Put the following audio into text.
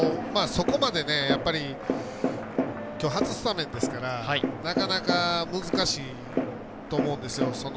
そこまできょう初スタメンですからなかなか難しいと思うんですよ。